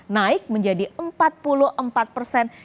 naik menjadi empat puluh empat persen